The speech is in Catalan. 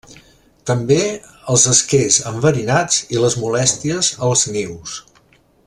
També els esquers enverinats i les molèsties als nius.